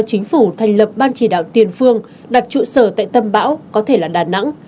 chính phủ thành lập ban chỉ đạo tiền phương đặt trụ sở tại tâm bão có thể là đà nẵng